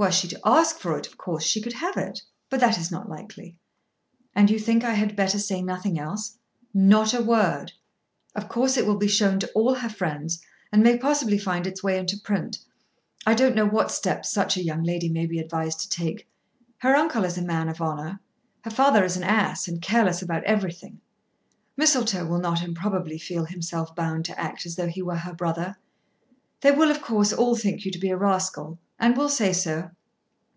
Were she to ask for it of course she could have it; but that is not likely." "And you think I had better say nothing else." "Not a word. Of course it will be shown to all her friends and may possibly find its way into print. I don't know what steps such a young lady may be advised to take. Her uncle is a man of honour. Her father is an ass and careless about everything. Mistletoe will not improbably feel himself bound to act as though he were her brother. They will, of course, all think you to be a rascal, and will say so."